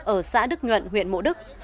ở xã đức nhuận huyện mộ đức